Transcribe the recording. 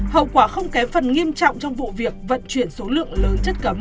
hậu quả không kém phần nghiêm trọng trong vụ việc vận chuyển số lượng lớn chất cấm